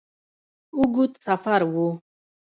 اوږد سفر وو.